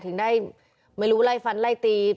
ถึงได้ไม่รู้ไล่ฟันไล่ตี